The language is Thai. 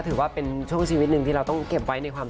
คุณผู้ชมไม่เจนเลยค่ะถ้าลูกคุณออกมาได้มั้ยคะ